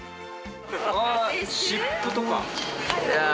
ああ湿布とか。